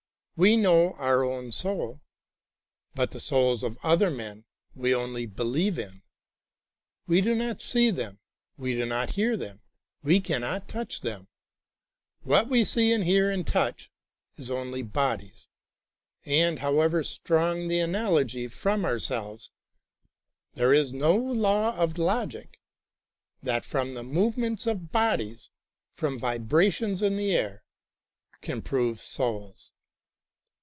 We know our own soul, but the souls of other men we only believe in. We do not see them, we do not hear them, we cannot touch them. What we see and hear and touch is only bodies, and, however strong the analogy from ourselves, there is no law of logic that, from the movements of bodies, from vibra tions in the air, can prove souls.